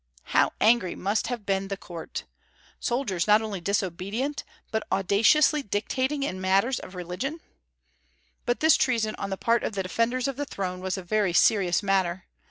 How angry must have been the Court! Soldiers not only disobedient, but audaciously dictating in matters of religion! But this treason on the part of the defenders of the throne was a very serious matter.